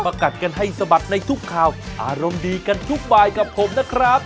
กัดกันให้สะบัดในทุกข่าวอารมณ์ดีกันทุกบายกับผมนะครับ